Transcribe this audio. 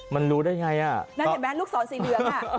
มันรู้ได้ยังไงอ่ะ